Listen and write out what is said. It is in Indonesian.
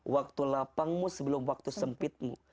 waktu lapangmu sebelum waktu sempitmu